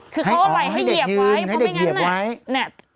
คือเขาเอาใหม่ให้เหยียบไว้เพราะไม่งั้นน่ะ